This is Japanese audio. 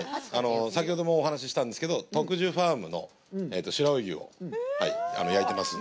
先ほどもお話ししたんですけど、徳寿ファームの白老牛を焼いてますんで。